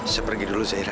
saya pergi dulu zaira